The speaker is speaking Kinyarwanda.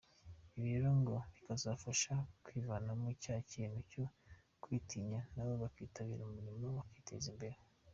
Ibi rero ngo bikazabafasha kwivanamo cya cyintu cyo kwitinya nabo bakitabira umurimo bakiteza imbere.